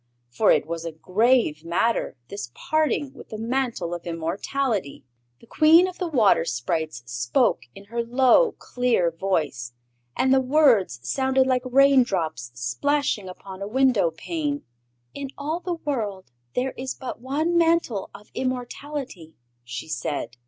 For it was a grave matter, this parting with the Mantle of Immortality. The Queen of the Water Sprites spoke in her low, clear voice, and the words sounded like raindrops splashing upon a window pane. "In all the world there is but one Mantle of Immortality," she said.